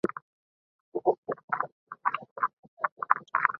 asilimia thelathini na nne nukta tatu zipo Tanzania